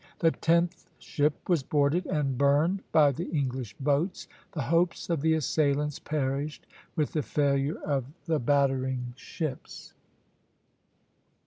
The tenth ship was boarded and burned by the English boats. The hopes of the assailants perished with the failure of the battering ships.